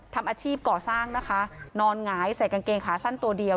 ทำอาชีพก่อสร้างนะคะนอนหงายใส่กางเกงขาสั้นตัวเดียว